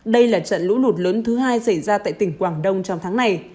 đây là trận lũ lụt lớn thứ hai xảy ra tại tỉnh quảng đông trong tháng này